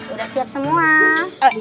udah siap semua